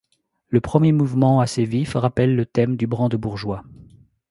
Le premier mouvement assez vif rappelle le thème du brandebourgeois.